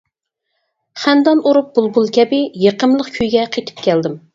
خەندان ئۇرۇپ بۇلبۇل كەبى، يېقىملىق كۈيگە قېتىپ كەلدىم.